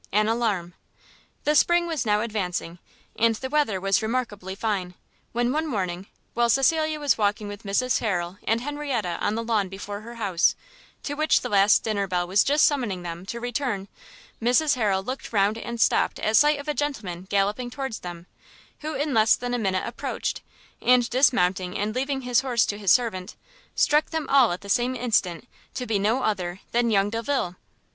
AN ALARM. The spring was now advancing, and the weather was remarkably fine; when one morning, while Cecilia was walking with Mrs Harrel and Henrietta on the lawn before her house, to which the last dinner bell was just summoning them, to return, Mrs Harrel looked round and stopt at sight of a gentleman galloping towards them, who in less than a minute approached, and dismounting and leaving his horse to his servant, struck them all at the same instant to be no other than young Delvile!